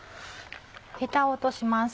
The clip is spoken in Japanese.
ヘタを落とします。